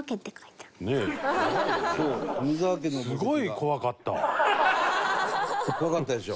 怖かったでしょ？